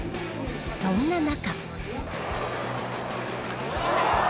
そんな中。